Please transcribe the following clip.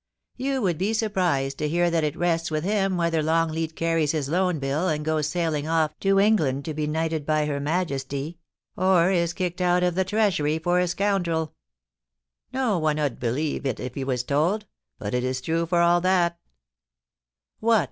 You would be surprised to hear that it rests with him whether Longleat carries his Loan Bill and goes sailing off to England to be knighted by her 326 POUCY AND PASSION. Majesty, or is kicked out of the Treasury for a scoundrel No one 'ud believe it if he was told, but it is true for all that' * What